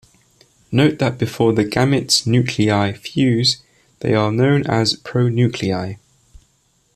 Note that before the gametes' nuclei fuse, they are known as pronuclei.